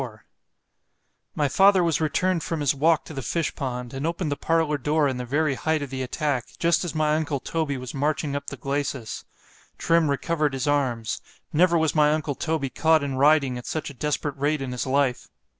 LIV MY father was returned from his walk to the fish pond——and opened the parlour door in the very height of the attack, just as my uncle Toby was marching up the glacis——Trim recovered his arms——never was my uncle Toby caught in riding at such a desperate rate in his life!